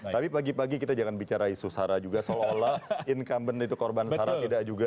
tapi pagi pagi kita jangan bicara isu sara juga seolah olah incumbent itu korban sarah tidak juga